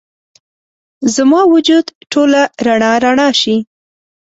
زما وجود ټوله رڼا، رڼا شي